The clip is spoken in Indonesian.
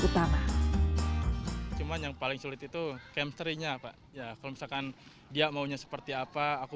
utama cuman yang paling sulit itu chemistry nya pak ya kalau misalkan dia maunya seperti apa aku